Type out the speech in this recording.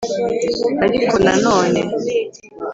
ariko nanone